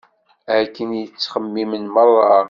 Akken i ttxemmimen meṛṛa.